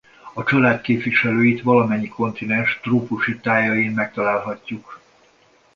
A család képviselőit valamennyi kontinens trópusi tájain megtalálhatjuk.